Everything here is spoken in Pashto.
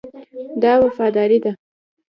دا وفاداري ده.